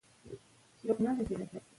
مورنۍ ژبه څنګه ذهن پیاوړی کوي؟